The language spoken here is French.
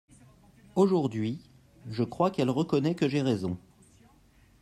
Aujourd’hui, je crois qu’elle reconnaît que j’ai raison.